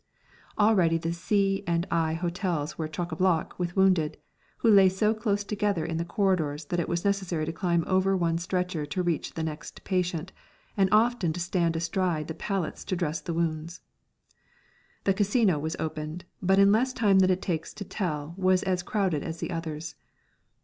Already the C and I Hotels were choc à bloc with wounded, who lay so close together in the corridors that it was necessary to climb over one stretcher to reach the next patient, and often stand astride the pallets to dress the wounds. The Casino was opened, but in less time than it takes to tell was as crowded as the others.